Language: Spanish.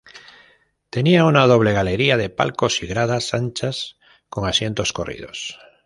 Tenía una doble galería de palcos y gradas anchas con asientos corridos.